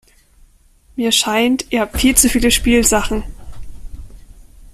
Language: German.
Mir scheint, ihr habt viel zu viele Spielsachen.